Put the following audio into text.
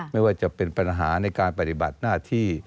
ไม่ว่าจะเป็นปัญหาในการปฏิบัติหน้าที่